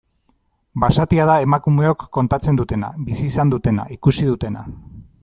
Basatia da emakumeok kontatzen dutena, bizi izan dutena, ikusi dutena.